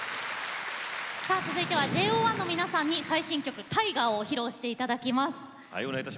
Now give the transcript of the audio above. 続いてはＪＯ１の皆さんに最新曲「Ｔｉｇｅｒ」を披露していただきます。